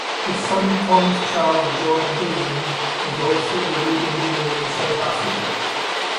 His son Thomas Charles John Bain was also a road engineer in South Africa.